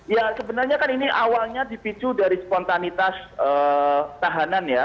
ya sebenarnya kan ini awalnya dipicu dari spontanitas tahanan ya